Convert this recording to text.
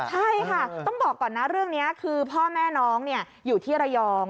ใช่ค่ะต้องบอกก่อนนะเรื่องนี้คือพ่อแม่น้องอยู่ที่ระยอง